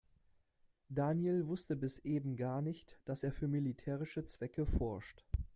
Daniel wusste bis eben gar nicht, dass er für militärische Zwecke forscht.